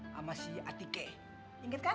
sama si atike inget kan